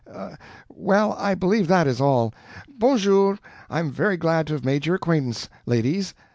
Um ... um ... well, I believe that is all. BONJOUR I am very glad to have made your acquaintance, ladies.